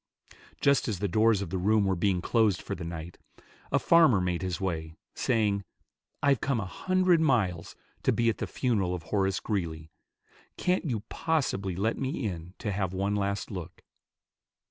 Just as the doors of the room were being closed for the night, a farmer made his way, saying, "I've come a hundred miles to be at the funeral of Horace Greeley. Can't you possibly let me in to have one last look?"